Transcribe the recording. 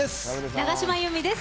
永島優美です。